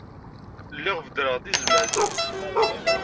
Lliɣ beddreɣ-d izmaz.